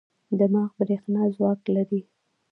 دماغ برېښنا ځواک لري.